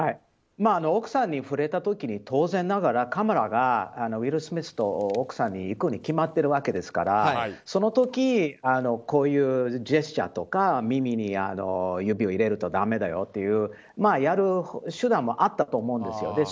奥さんに触れた時に当然ながらカメラがウィル・スミスさんと奥さんに行くに決まってるわけですからその時こういうジェスチャーとか耳に指を入れるとだめだよとかやる手段もあったと思うんですよ。